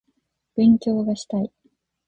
勉強がしたい